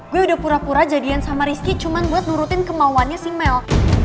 gue udah pura pura jadian sama rizky cuman buat nurutin kemauannya si mel